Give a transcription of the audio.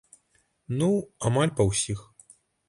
Ну, амаль па ўсіх.